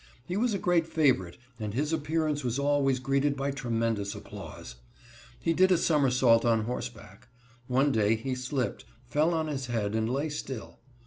He was a great favorite and his appearance was always greeted by tremendous applause. He did a somersault on horseback. One day he slipped, fell on his head, and lay still.